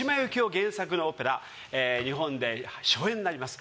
原作のオペラ日本で初演になります。